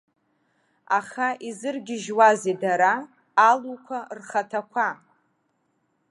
Аха изыргьежьуазеи дара, алуқәа рхаҭақәа?